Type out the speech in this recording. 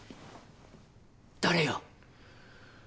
誰よ？